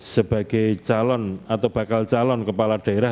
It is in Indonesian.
sebagai calon atau bakal calon kepala daerah